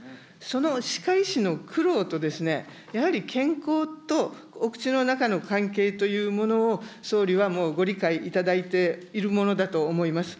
その歯科医師の苦労と、やはり健康とお口の中の関係というものを、総理はもうご理解いただいているものだと思います。